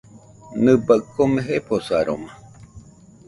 Nɨbai kome jefosaroma.